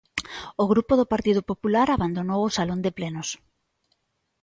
O grupo do Partido Popular abandonou o salón de plenos.